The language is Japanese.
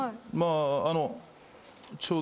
まああの。